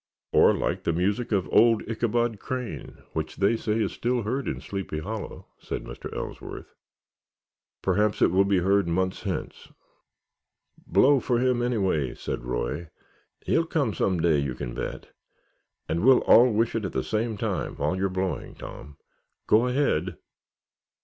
"Or like the music of old Ichabod Crane, which they say is still heard in Sleepy Hollow," said Mr. Ellsworth. "Perhaps it will be heard months hence." "Blow for him, anyway," said Roy. "He'll come some day, you can bet, and we'll all wish it at the same time, while you're blowing, Tom. Go ahead!"